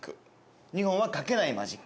２本は書けないマジック。